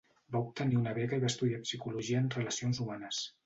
Va obtenir una beca i va estudiar psicologia en relacions humanes.